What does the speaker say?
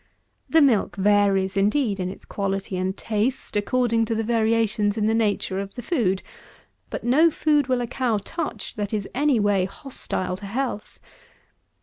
The milk varies, indeed, in its quality and taste according to the variations in the nature of the food; but no food will a cow touch that is any way hostile to health.